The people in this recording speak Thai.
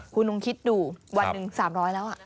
คุณลุงคิดดูวันหนึ่ง๓๐๐แล้ว